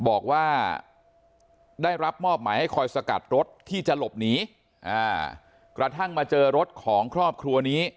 บอกว่าได้รับมอบหมายให้คอยสกัดรถที่จะหลบหนีกระทั่งมาเจอรถของครอบครัวนี้